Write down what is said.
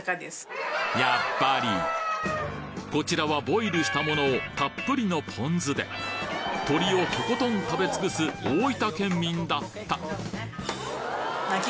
こちらはボイルしたものをたっぷりのポン酢で鶏をとことん食べ尽くす大分県民だった！